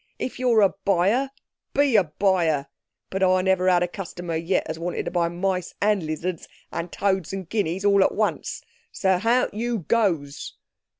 If you're a buyer, be a buyer—but I never had a customer yet as wanted to buy mice, and lizards, and toads, and guineas all at once. So hout you goes."